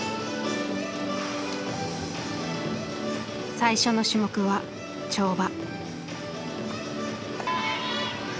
最初の種目は跳馬。